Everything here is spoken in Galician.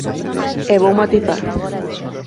E vou matizar.